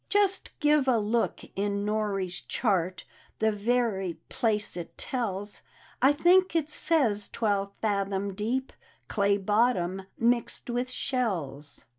"Just give a look in Norey's Chart, The very place tt tells: I think it says twelve fathom deep. Clay bottom, mixed with shells.